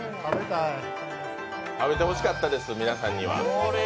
食べてほしかったです、皆さんには。